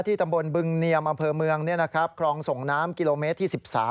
ตำบลบึงเนียมอำเภอเมืองคลองส่งน้ำกิโลเมตรที่๑๓